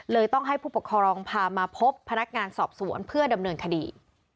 ต้องให้ผู้ปกครองพามาพบพนักงานสอบสวนเพื่อดำเนินคดี